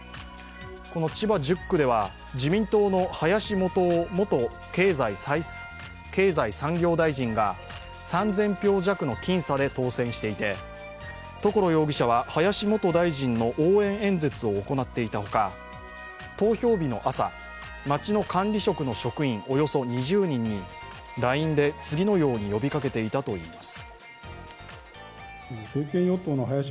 千葉１０区では、自民党の林幹雄元経済産業大臣が３０００票弱の僅差で当選していて所容疑者は林元大臣の応援演説を行っていたほか投票日の朝、町の管理職の職員およそ２０人にＬＩＮＥで次のように呼びかけていたといいます。